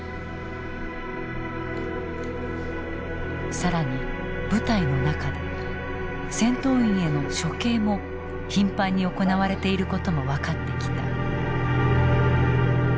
更に部隊の中で戦闘員への処刑も頻繁に行われていることも分かってきた。